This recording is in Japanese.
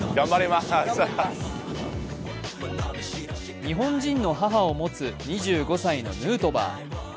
日本人の母を持つ２５歳のヌートバー。